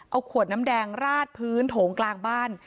เอาขวดน้ำแดงราดพื้นโถงกลางบ้าน